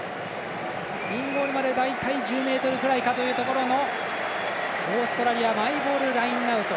インゴールまで大体１５ｍぐらいというところのオーストラリアマイボールラインアウト。